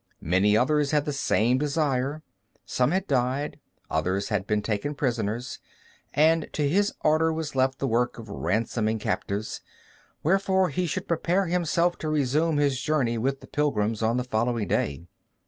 Many others had the same desire, some had died, others had been taken prisoners, and to his Order was left the work of ransoming captives, wherefore he should prepare himself to resume his journey with the pilgrims on the following day.